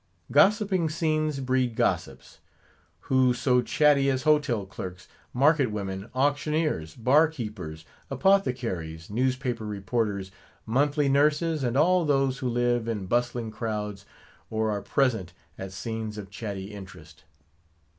Gossiping scenes breed gossips. Who so chatty as hotel clerks, market women, auctioneers, bar keepers, apothecaries, newspaper reporters, monthly nurses, and all those who live in bustling crowds, or are present at scenes of chatty interest.